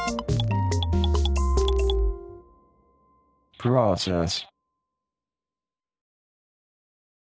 プロセス。